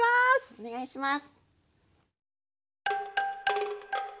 お願いします。